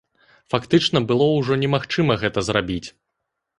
Фактычна было ўжо немагчыма гэта зрабіць.